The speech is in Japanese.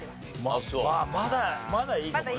まだいいかもね。